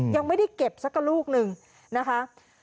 ยังไม่ได้เก็บสักกระลูกหนึ่งนะคะ